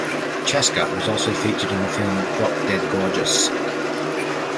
Chaska was also featured in the film "Drop Dead Gorgeous".